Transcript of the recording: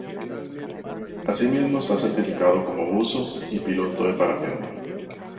Asimismo está certificado como buzo y piloto de parapente.